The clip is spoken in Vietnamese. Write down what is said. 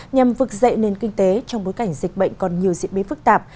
nhằm vực dậy nền kinh tế trong bối cảnh dịch bệnh còn nhiều diễn biến phức tạp